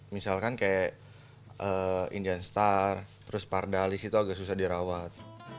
misalkan kayak indianstar terus pardalis itu agak susah dirawat